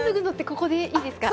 ここでいいですか？